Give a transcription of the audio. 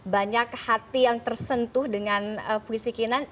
banyak hati yang tersentuh dengan puisi kinan